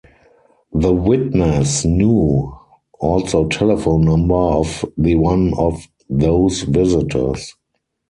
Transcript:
The witness knew also telephone number of the one of those visitors.